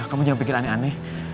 kamu jangan pikir aneh aneh